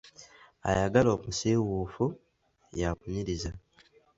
Ayagala omusiiwuufu, yamunyiriza.